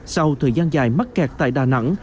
sau thời gian dài mắc kẹt tại đà nẵng